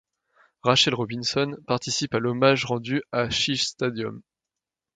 Rachel Robinson participe à l'hommage rendu au Shea Stadium.